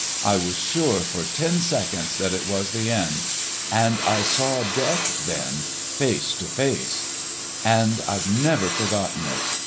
I was sure for ten seconds that it was the end,—and I saw death then, face to face! "And I've never forgotten it.